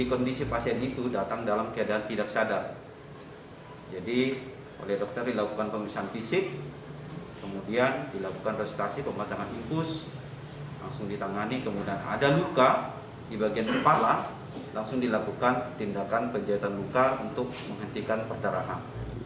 untuk menghentikan perterangan